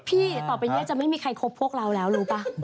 ต่อไปเนี่ยจะไม่มีใครคบพวกเราแล้วรู้ป่ะ